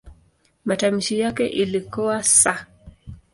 Matamshi yake ilikuwa "s".